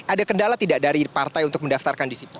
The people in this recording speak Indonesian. ada kendala tidak dari partai untuk mendaftarkan di situ